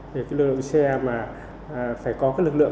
vì cái lượng xe mà phải có các lực lượng